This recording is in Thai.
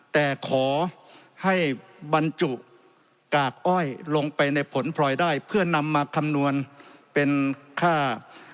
แต่ขอให้บรรจุกากอ้อยลงไปในผลพลอยได้เพื่อนำมาคำนวณเป็นค่า